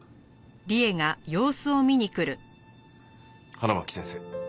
花巻先生。